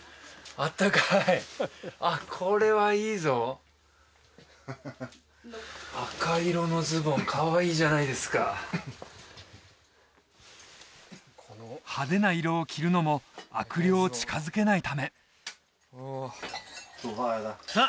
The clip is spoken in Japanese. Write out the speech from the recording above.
あっこれはいいぞ赤色のズボンかわいいじゃないですか派手な色を着るのも悪霊を近づけないためさあ